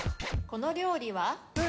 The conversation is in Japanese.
この料理は？